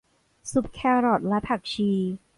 ซุปแครอทและผักชี